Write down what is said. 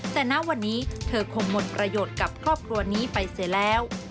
แต่ณวันนี้เธอคงหมดประโยชน์กับครอบครัวนี้ไปเสียแล้ว